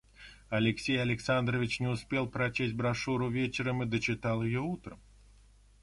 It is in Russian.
Алексей Александрович не успел прочесть брошюру вечером и дочитал ее утром.